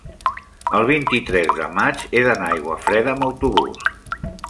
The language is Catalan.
el vint-i-tres de maig he d'anar a Aiguafreda amb autobús.